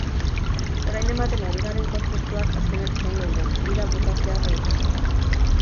Orain ematen ari garen kontzertuak azkenak izango dira, bira bukatzear baitago.